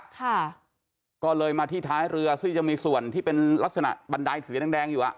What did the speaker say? ค่ะก็เลยมาที่ท้ายเรือซึ่งจะมีส่วนที่เป็นลักษณะบันไดสีแดงแดงอยู่อ่ะ